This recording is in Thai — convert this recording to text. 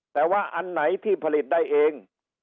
แต่ว่าอันไหนที่ผลิตได้เอง